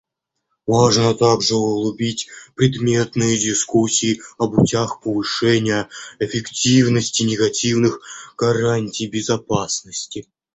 Важно также углубить предметные дискуссии о путях повышения эффективности негативных гарантий безопасности.